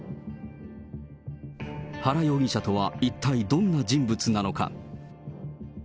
原容疑者とは一体どんな人物なのか。